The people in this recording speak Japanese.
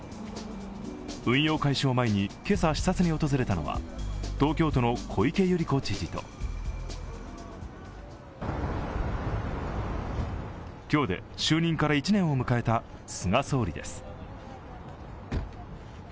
運用開始を前に、今朝視察に訪れたのは東京都の小池百合子知事と今日で就任から１年を迎えた菅総理です。